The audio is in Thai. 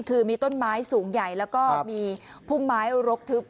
คือมีต้นไม้สูงใหญ่แล้วก็มีพุ่มไม้รกทึบ